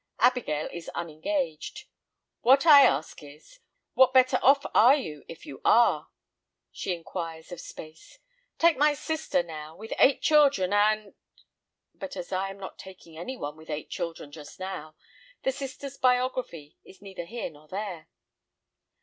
Abigail is unengaged. "What I ask is: What better off are you if you are?" she inquires of space. "Take my sister, now, with eight children, and——" But as I am not taking anyone with eight children just now, the sister's biography is neither here nor there.